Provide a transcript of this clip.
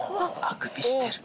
あくびしてる。